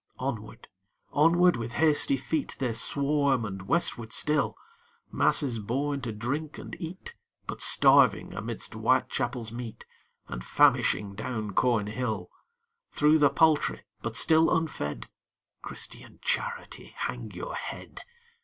Onward, onward, with hasty feet, They swarm and westward still Masses born to drink and eat, But starving amidst Whitechapel's meat, And famishing down Cornhill! Through the Poultry but still unfed Christian Charity, hang your head!